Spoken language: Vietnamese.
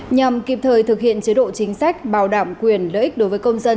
nhằm kịp thời thực hiện chế độ chính sách bảo đảm quyền lợi ích đối với công dân